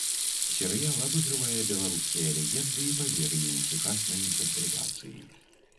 Серыял абыгрывае беларускія легенды і павер'і ў сучаснай інтэрпрэтацыі.